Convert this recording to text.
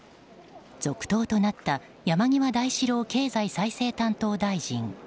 続投となった山際大志郎経済再生担当大臣。